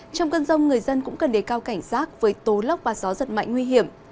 trong cơn rông người dân cũng cần đề cao cảnh giác với tố lốc và gió giật mạnh nguy hiểm